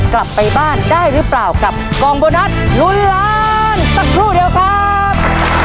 กลับไปบ้านได้หรือเปล่ากับกล่องโบนัสลุ้นล้านสักครู่เดียวครับ